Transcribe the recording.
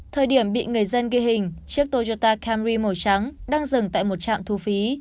thời điểm bị người dân ghi hình chiếc toyota camry màu trắng đang dừng tại một trạm thu phí